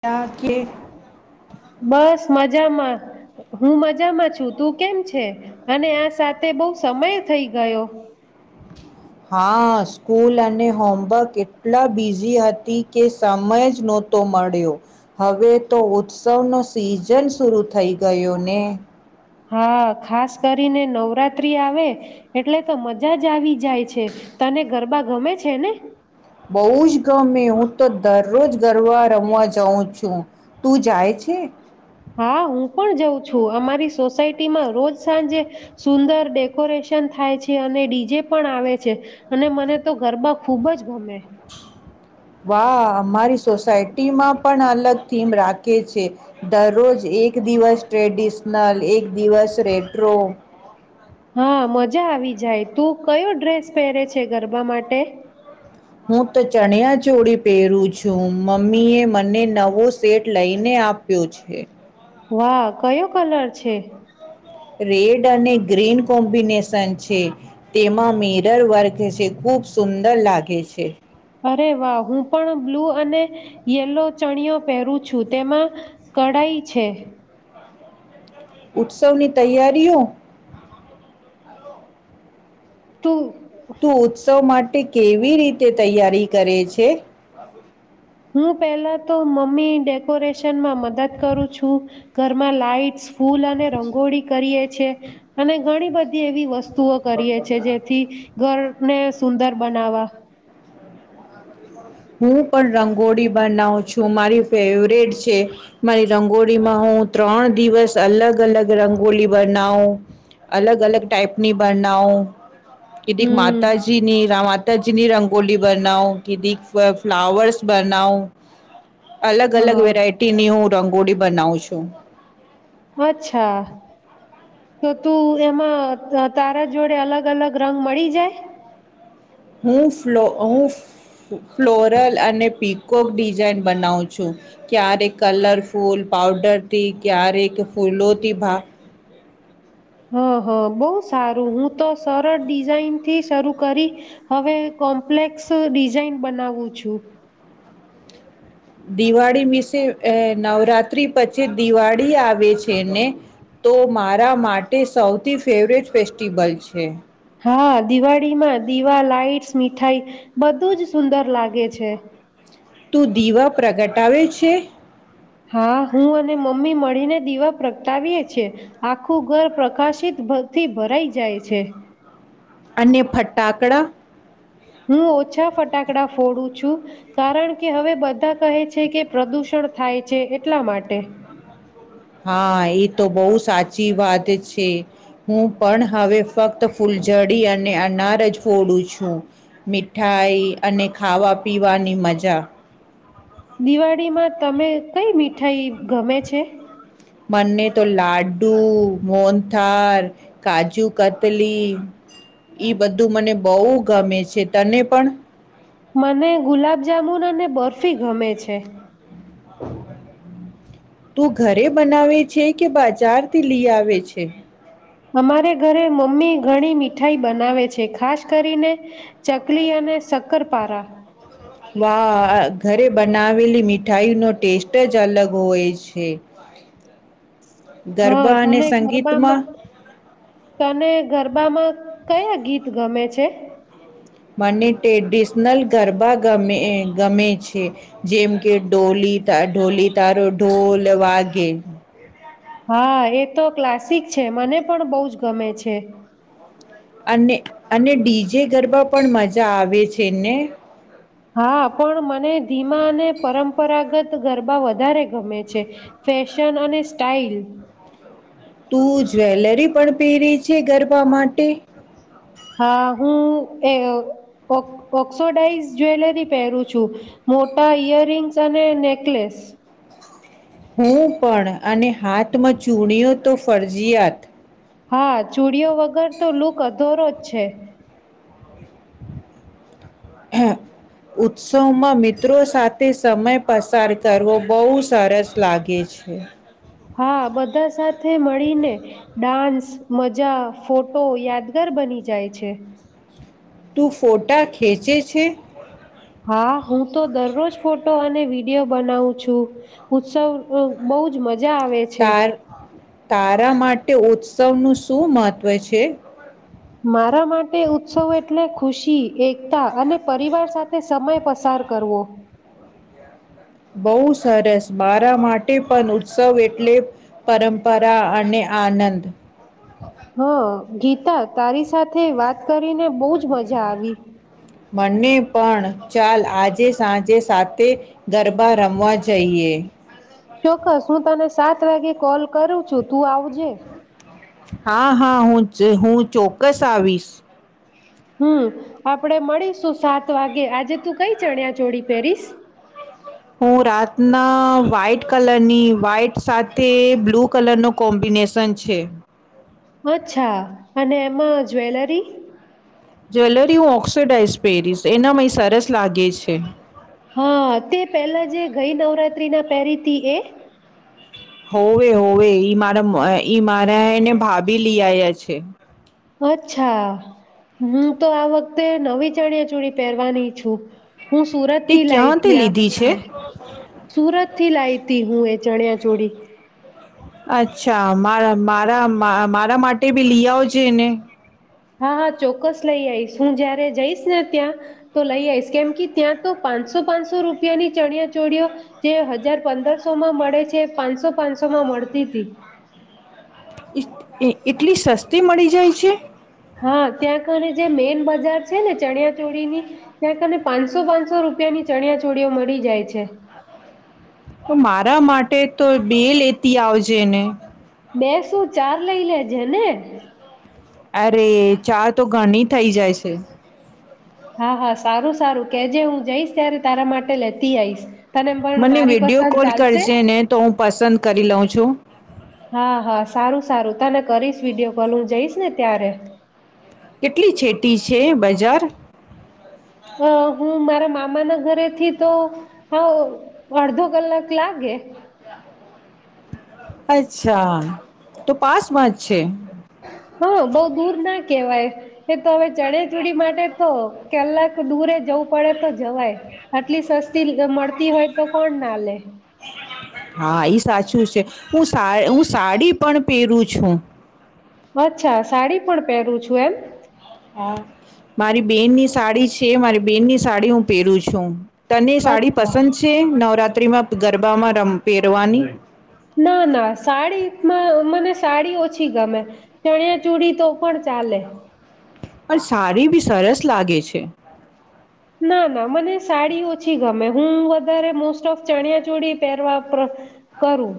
ત્યાં કે બસ મજામાં હું મજામાં છું તું કેમ છે અને આ સાથે બહુ સમય થઈ ગયો હા સ્કૂલ અને હોમવર્ક એટલા બિઝી હતી કે સમય જ નહોતો મળ્યો હવે તો ઉત્સવનો સીઝન શરૂ થઈ ગયો ને હા ખાસ કરીને નવરાત્રી આવે એટલે તો મજા જ આવી જાય છે તને ગરબા ગમે છે ને બઉુ જ ગમે હું તો દરરોજ ગરબા રમવા જાઉં છું તું જાય છે હા હું પણ જાઉં છું અમારી સોસાયટીમાં રોજ સાંજે સુંદર ડેકોરેશન થાય છે અને ડીજે પણ આવે છે અને મને તો ગરબા ખૂબ જ ગમે વાહ અમારી સોસાયટીમાં પણ અલગ થીમ રાખે છે દરરોજ એક દિવસ ટ્રેડિશનલ એક દિવસ રેટ્રો હા મજા આવી જાય તું કયો ડ્રેસ પહેરે છે ગરબા માટે હું તો ચણ્યા છોડી પહેરું છું મમ્મી એ મને નવો સેટ લઈને આપ્યો છે વાહ કયો કલર છે રેડ અને ગ્રીન કોમ્બિનેશન છે તેમાં મિરર વર્ક છે ખુબ સુંદર લાગે છે અરે વાહ હું પણ બ્લૂ અને યેલો ચણયો પહેરું છું તેમાં કઢાઈ છે ઉત્સવની તૈયારીઓ તુ તું ઉત્સવ માટે કેવી રીતે તૈયારી કરે છે? હું પેલા તો મમ્મી ડેકોરેશનમાં મદદ કરું છું, ઘરમાં લાાઈટસ ફૂલ અને રંગોળી કરીએ છે, અને ઘણી બધી એવી વસ્તુ તુઓ કરીએ છે જેથી ઘર ને સુંદર બનાવા હું પણ રંગોળી બનાવું છું. મારી ફેવરેટ છે. મારી રંગોળીમાં હું ત્રણ દિવસ અલગ-અલગ રંગોળી બનાઉ, અલગ-અલગ ટાઈપની બનાઉ કેદીક હમ માતાજીની [unintelligible] તજની રંગોલી બનાઉં કીદીક. બ ફ્લાવર્સ બનાઉં. અલગ-અલગ હા વેરાયટી ની હું રંગોળી બનાવું છું. અચ્છા. તો તું એમાં તા તારા જોડે અલગ-અલગ રંગ મળી જાય? હું ફલો હું ફ્લોરલ અને પિકોક ડિઝાઇન બનાઉં છું, ક્યારેક કલરફૂલ પાઉડરથી, ક્યારેક ફૂલોથી ભા હા, હા બહુ સારું. હું તો સરળ ડિઝઇનથી શરૂ કરી હવે કોમ્પ્લેક્સ ડિઝાઇન બનાવું છું. દિવાળી મિસે અહ નવરાત્રી પછી દિવાળી આવે છે ને, તો મારા માટે સૌથી ફેવરેટ ફેસ્ટિવલ છે. હા દિવાળીમાં દીવા, લાાઈટ્સ, મીઠાઈ બધું જ સુંદર લાગે છે. તું દીવા પ્રગટાવે છે? હા હું અને મમ્મી મળીને દીવા પ્રગટાવીએ છે. આખું ઘર પ્રકાશિત થી ભથી ભરાઈ જાય છે. અને ફટાકડા? હું, ઓછા ફટાકડા ફોડું છું કારણ કે હવે બધા કહે છે, કે પ્રદૂષણ થાય છે એટલા માટે. હા, એ તો બહુ સાચી વાત છે. હું પણ હવે ફક્ત ફૂલઝડી અને અનાર જ ફોડું છું. મીઠાઈ અને ખાવા પીવાની મજા. દિવાળીમાં તમે કઈ મીઠાઈ ગમે છે? બને તો લાડુ, મોનથાર, કાજુ કતલી ઈ બધું મને બહુ ગમે છે. તને પણ મને ગુલાબજામુન અને બર્ફી ગમે છે. તું, ઘરે બનાવે છે? કે બજારથી લઈ આવે છે? અમારે ઘરે મમ્મી ઘણી મીઠાઈ બનાવે છે, ખાસ કરીને ચકલી અને શક્કરપારા. વાહ! ઘરે બનાવેલી મીઠાઈ નો ટેસ્ટ જ અલગ હોય છે. હા, ગરબા અને તને સંગીતમાં ગરબામાં. તને ગરબામાં કયા ગીત ગમે છે? મને ટ્રેડિશનલ ગરબા મે ગમે છે જેમ કે ઢોલી તારો ઢોલ વાગે. હા એ તો ક્લાસિક છે. મને પણ બહુ જ ગમે છે. અને અને ડીજે ગરબા પણ મજા આવે છેને? હા, પણ મને ધીમા અને પરંપરાગત ગરબા વધારે ગમે છે. ફેશન અને સ્ટાઇલ તું જ્વેલરી પણ પહેરી છે? ગરબા માટે. હા, હું એ ઓ ઓક્સોડાઈઝ જ્વેલરી પહેરું છું. મોટા ઈયર રિંગ્સ અને નેકલેસ. હું પણ અને હાથમાં ચૂણીઓ તો ફરજયાત. હા, ચુડીઓ વગર તો લુક અધોરો જ છે. ઉત્સવમાં મિત્રો સાથે સમય પસાર કરવો બહુ સરસ લાગે છે. હા બધા સાથે મળીને ડાન્સ મજા, ફોટો, યાદગાર બની જાય છે. તું ફોટા ખેંચે છે. હા હું તો દરરોજ ફોટો અને વિડીયો બનાવું છું ઉત્સવ બહુજ મજા મજા આવે છે. તાર તારા માટે ઉત્સવનુંું શું મહત્વ છે. મારા માટે ઉત્સવ એટલે. ખુશી એકતા અને પરિવાર સાથે સમય પસાર કરવો બહુ સરસ બરા માટે પણ ઉત્સવ એટલે પરંપરા અને આનંદ. હ. ગીતા તારી સાથે વાત કરીને બહુજ મજા આવી મને પણ ચાલ આજે સાંજે સાથેતે ગરબા રમવા જઈએ ચોક્કસ હું તને સાત વાગે કોલ કરું છું તું આવજે હા હા હું હું ચોક્કસ આવીશ. હમ આપડે મળીશ સો સાત વાગે આજે તું કઈ ચણ્યા જોડી પેરીસ હું રાતના વ્હાઈટ કલરની વ્હાઈટ સાથે બ્લુ કલર નો કોમ્બિનેશન છે. અચ્છા અને એમાં જ્વેલરી જ્વેલરી હું ઓક્સડાઇઝ પેરીસ એના મય સરસ લાગે છે. હા તે પેલા જે ગઈ નવરાત્રી ના પેરીથી એ હોવે હોવે ઈ મારા ઈ મારા એને ભાભી લઈ આયા છે. અચ્છા હું તો આ વખતે નવી ચણિયા ચોડી પેરવાની છું. હું સુરત તે થી લાઈ ક્યાંથી હતી આ લીધી છે વખતે સુરત થી લાવ ત હું એ ચણિયા ચોળી. અચ્છા મારા મારા મારા માટે ભી લી આવજે ને હા હા ચોક્કસ લઈ આઈશ હું જયારે જઈશ ને ત્યાં તો લઈ આવીઈશ કેમ કે ત્યાં તો પાંચસો પાંચસો રૂપિયાની ચણિયા ચોળઓ જે હજાર પંદરસોમાં મળે છે પાંચસો પાંચસો માં મળતી હતી. એટલી સસ્તી મળી જાય છે. હા ત્યાં કાને જે મેઈન બજાર છે ને ચણિયા ચોળીની ત્યાં કાને પાંચસો પાંચસો રૂપિયાની ચણિયા ચોળીઓ મળી જાય છે. તો મારા માટે તો બે લેતી આવજે ને બે શું ચાર લઈ લેજે ને અરે ચાર તો ઘણી થઇ જાય છે. હા હા સારું સારું કે જે હું જઈશ ત્યારે તારા માટે લેતી આઈશ. મને વિડીયો કોલ કરજ ને તો હું પસંદ કરી લઉં છું. હા હા સારું સારું તને કરીશ વિડીયો કોલ હું જઈશ ને ત્યારે કેટલી છેટી છે બજાર હ હું મારા મામા ના ઘરેથી તો હાવ અડધો કલાક લાગે. અચ્છા તો પાસમાં જ છે. હા બહ દૂર ના કેવાય તે તમે ચણિયાચોળી માટે તો કેલાક દૂરે જવું પડે તો જવાય આટલી સસ્તી મળતી હોય તો કોણ ના લે હા ઈ સાચું છે હું સા હું સાડી પણ પહેરું છું અચ્છા સાડી પણ પહેરું છું એમ મારી બેનની સાડી છે મારી બેનની સાડી હું પહેરું છું તને સાડી અચ્છા પસંદ છે નવરાત્ર માં ગરબામાં રમ પેરવાની ના ના સાડીમાં મને સાડી ઓછી ગમે ચણિયાચોળી તો પણ ચાલે પણ સાડી બી સરસ લાગે છે ના ના મને સાડી ઓછી ગમે હું વધારે મોસ્ટ ઓફ ચણિયાચોળી પહેરવા કરું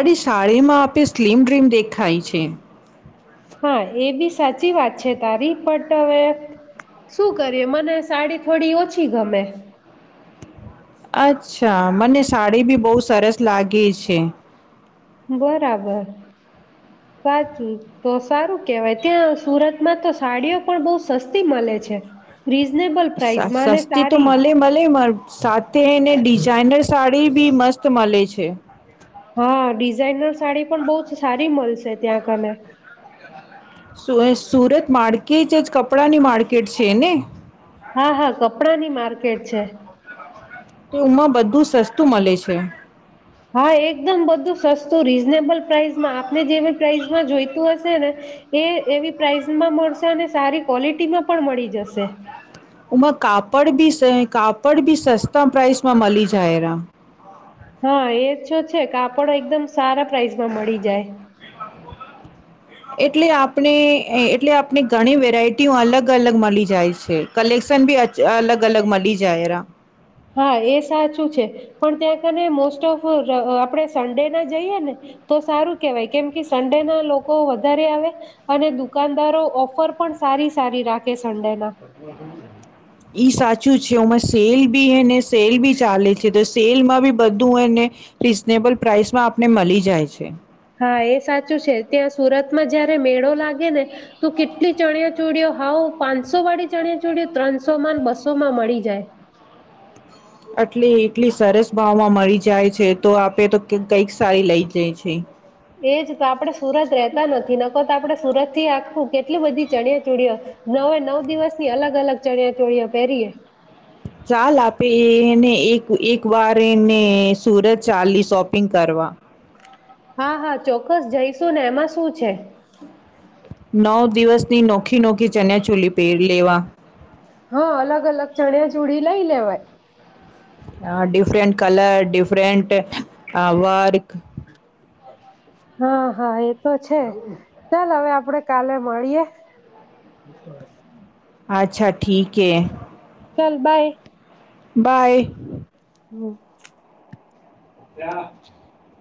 અરે સાડી માં આપે સ્લીમ ડ્રીમ દેખાય છે હા એ બી સાચી વાત છે તારી પટવે શું કરીએ મને સાડી થોડી ઓછી ગમે અચ્છા મને સાડી બી બહુ સરસ લાગે છે બરાબર સાચું તો સારું કેવાય ત્યાં સુરતમાં તો સાડીઓ પણ બહ સસ્તી મળે છે રીઝનેબલ પ્રાઇસમાં અને સસ્તી તો સારી મળે મળે સાથેને ડિઝાઇનર સાડી એ બી મસ્ત મળલે છે હા ડિઝાઇનર સાડી પણ બહ જ સારી મળશે છે ત્યાં કને સુરત માર્કેટ જ કપડાની માર્કેટ છે ને હા હા કપડાની માર્કેટ છે તો ઉમાં બધું સસ્તું મળે છે હા એકદમ બધું સસ્તું રીઝનેબલ પ્રાાઈસમાં આપને જેવી પ્રાઇસમાં જોઈતું હશે ને એ એવી પ્રાઇસમાં મળશે અને સારી ક્વોલિટીમાં પણ મળી જશે ઉમાં કાપડ બી કાપડ બી સસ્તા પ્રાાઈસમાં મળી જાય એરા હા એ તોો છે કાપડો એકદમ સારા પ્રાઇસમાં મળી જાય એટલે આપણે એટલે આપને ઘણી વેરાયટીઓ અલગ અલગ મળી જાય છે કલેક્શન બી અલગ અલગ મળી જાય એરા હા એ સાચું છે પણ ત્યાં કને મોસ્ટ ઓફ આપણે સન્ડે ના જઈએ ને તો સારું કેહેવાય કેમ કે સન્ડે ના લોકો વધારે આવે અને દુકાનદારો ઓફર પણ સારી સારી રાખે સન્ડેના ઈ સાચું છે હમાં સેલ બી હ ને સેલ બી ચાલે છે તો સેલમાં બી બધું એને રીઝનેબલ પ્રાઇસમાં આપને મળી જાય છે હા એ સાચું છે ત્યાં સુરતમાં જયારે મેળો લાગે ને તો કેટલી ચણિયા ચોડીઓ હઉ પાંચસો વાળી ચણિયા ચોળઓ ત્રણસો માં બસો માં મળી જાય આટલી એટલી સરસ ભાવમાં મળી જાય છે તો આપે તો કઈક સારી લઈ જાય છે એજ તો આપડે સુરત રતા નથી નક તો આપડે સુરત થી આખું કેટલી બધી ચણિયાચોળઓ નવે નવ દિવસની અલગ અલગ ચણિયા ચોળિયા પહેરીએ ચાલ આપે એને એક એક વાર એને સુરત ચાલી શોપિંગ કરવા હા હા ચોક્કસ જઈશું ને એમાં શું છે નવ દિવસની નોખીનોખી ચણિયાચોળી પેરી લેવા હા અલગ અલગ ચણિયાચોળી લઈ લેવાય અ ડિફરન્ટ કલર ડિફરંન્ટ અ વર્ક હા હા એતો છે ચાલ હવે આપડે કાલે મળીયે. અચ્છા ઠીકે ચાલ બાય. બાય. હમ્મ. [inaudible]